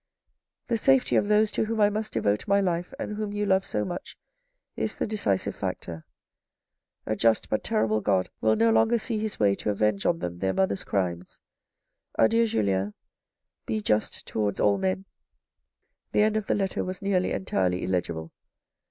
The safety of those to whom I must devote my life, and whom you love so much, is the decisive factor. A just but terrible God will no longer see His way to avenge on them their mother's crimes. Adieu, Julien. Be just towards all men." The end of the letter was nearly entirely illegible.